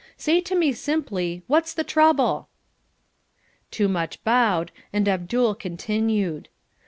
Say to me simply 'What's the trouble?"' Toomuch bowed, and Abdul continued.